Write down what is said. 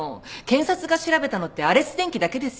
検察が調べたのってアレス電機だけですよね。